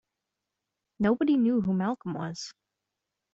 Nobody knew who Malcolm was.